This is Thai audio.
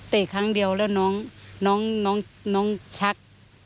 เตะครั้งเดียวแล้วน้องน้องชัก